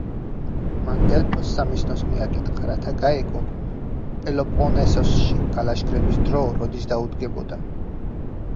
მან დელფოს სამისნოს მიაკითხა, რათა გაეგო, პელოპონესოსში გალაშქრების დრო როდის დაუდგებოდა.